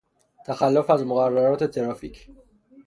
تخلف از مقررات ترافیک